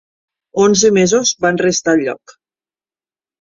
Onze mesos van restar al lloc.